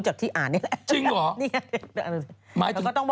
จริงหรอ